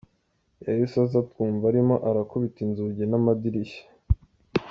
Yahise aza twumva arimo arakubita inzugi n’amadirishya.